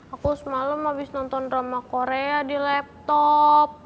aku semalam habis nonton droma korea di laptop